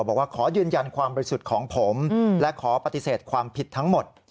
บอกว่าขอยืนยันความบริสุทธิ์ของผมและขอปฏิเสธความผิดทั้งหมด